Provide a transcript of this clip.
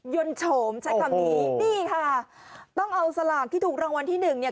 นนโฉมใช้คำนี้นี่ค่ะต้องเอาสลากที่ถูกรางวัลที่หนึ่งเนี่ย